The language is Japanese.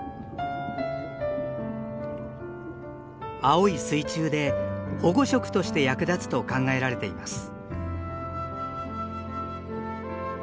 青い水中で保護色として役立つと考えられています。